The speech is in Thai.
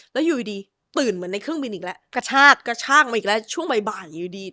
แล้วอยู่ดีตื่นเหมือนในเครื่องบินอีกแล้วกระชากกระชากมาอีกแล้วช่วงบ่ายอยู่ดี